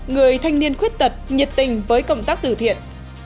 người thanh niên khuyết tật nhiệt tình với công tác từ thiện